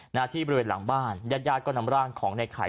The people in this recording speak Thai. หน้าที่บริเวณหลังบ้านยาดก็นำร่างของในข่าย